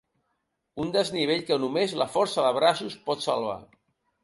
Un desnivell que només la força de braços pot salvar.